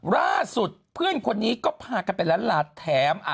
ล่าสุดเพื่อนคนนี้ก็พากันไปล้านหลาดแถม